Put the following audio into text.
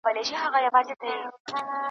دا چي نن له خپله سېله را جلا یې .